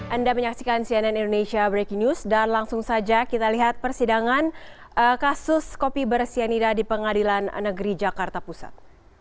anda menyaksikan cnn indonesia breaking news dan langsung saja kita lihat persidangan kasus kopi bersianida di pengadilan negeri jakarta pusat